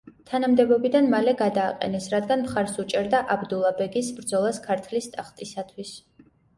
თანამდებობიდან მალე გადააყენეს, რადგან მხარს უჭერდა აბდულა-ბეგის ბრძოლას ქართლის ტახტისათვის.